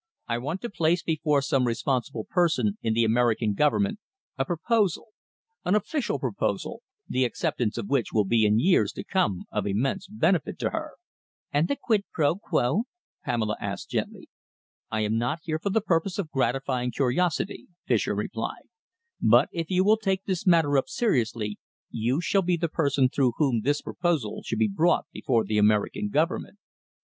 I want to place before some responsible person in the American Government, a proposal an official proposal the acceptance of which will be in years to come of immense benefit to her." "And the quid pro quo?" Pamela asked gently. "I am not here for the purpose of gratifying curiosity," Fischer replied, "but if you will take this matter up seriously, you shall be the person through whom this proposal shall be brought before the American Government.